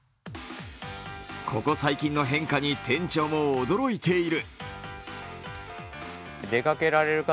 ここ最近の変化に店長も驚いている。